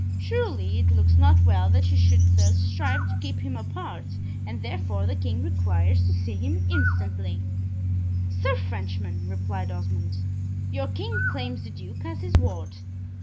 Truly it looks not well that you should thus strive to keep him apart, and therefore the King requires to see him instantly." "Sir Frenchman," replied Osmond, "your King claims the Duke as his ward.